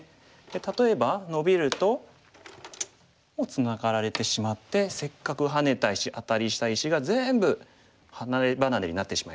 例えばノビるともうツナがられてしまってせっかくハネた石アタリした石が全部離れ離れになってしまいましたね。